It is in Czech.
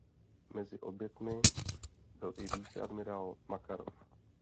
Mezi oběťmi byl i viceadmirál Makarov.